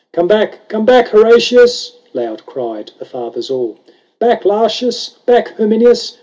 " Come back, come back, Horatius !" Loud cried the Fathers all. " Back, Lartius ! back, Herminius